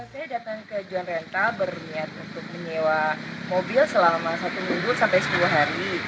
saya datang ke john renta berniat untuk menyewa mobil selama satu minggu sampai sepuluh hari